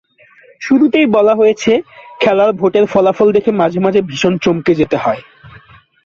শুরুতেই বলা হয়েছে, খেলার ভোটের ফলাফল দেখে মাঝে মাঝে ভীষণ চমকে যেতে হয়।